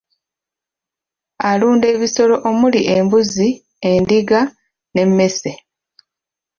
Alunda ebisolo omuli embuzi endiga n'emmese.